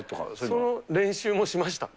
その練習もしました。